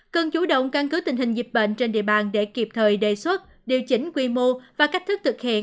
cần chủ động căn cứ tình hình dịch bệnh trên địa bàn để kịp thời đề xuất điều chỉnh quy mô và cách thức thực hiện